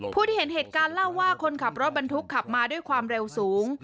ผู้ที่เห็นเหตุการณ์เล่าว่าคนขับรถบรรทุกขับมาด้วยความเร็วสูง